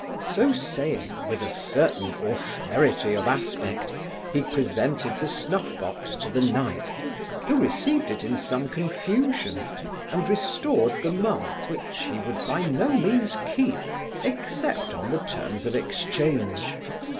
So saying, with a certain austerity of aspect, he presented the snuffbox to the knight, who received it in some confusion, and restored the mull, which he would by no means keep except on the terms of exchange.